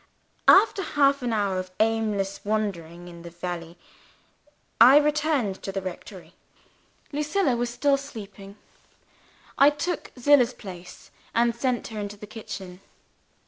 After half an hour of aimless wandering in the valley, I returned to the rectory. Lucilla was still sleeping. I took Zillah's place, and sent her into the kitchen.